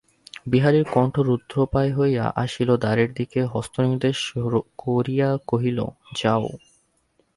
বিহারীর কণ্ঠ রুদ্ধপ্রায় হইয়া আসিল–দ্বারের দিকে হস্তনির্দেশ করিয়া কহিল, যাও।